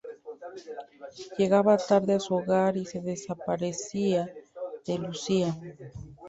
Llegaba tarde a su hogar y se desaparecía de Lucía.